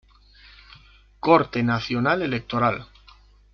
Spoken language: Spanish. Corte Nacional Electoral